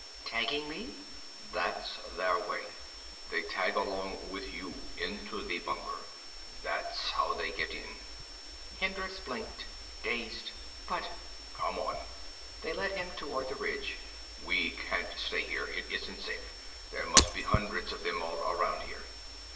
"Tagging me?" "That's their way. They tag along with you. Into the bunker. That's how they get in." Hendricks blinked, dazed. "But " "Come on." They led him toward the ridge. "We can't stay here. It isn't safe. There must be hundreds of them all around here."